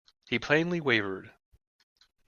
He plainly wavered.